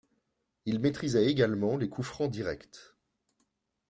Il maîtrisait également les coups-francs directs.